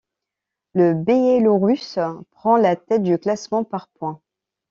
Le Biélorusse prend la tête du classement par points.